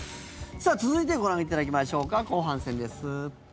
続いて、ご覧いただきましょうか後半戦です。